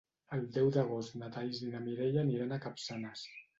El deu d'agost na Thaís i na Mireia aniran a Capçanes.